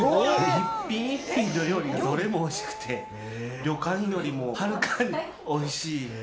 一品一品、料理がどれもおいしくて、旅館よりもはるかにおいしい。